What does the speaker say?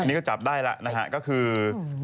ในนี้ก็จับได้และนะค่ะก็คือ